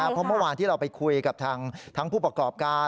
เพราะเมื่อวานที่เราไปคุยกับทั้งผู้ประกอบการ